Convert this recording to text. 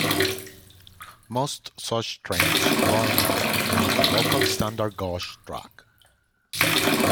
Most such trains run on the local standard gauge track.